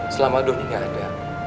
selama doni gak ada